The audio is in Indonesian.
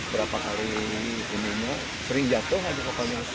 berapa hari ini sering jatuh